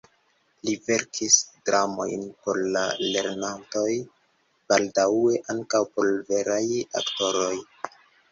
Li verkis dramojn por la lernantoj, baldaŭe ankaŭ por veraj aktoroj.